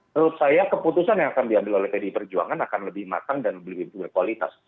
menurut saya keputusan yang akan diambil oleh pdi perjuangan akan lebih matang dan lebih berkualitas